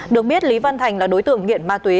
được biết lý văn thành là đối tượng nghiện ma túy